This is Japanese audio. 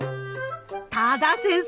多田先生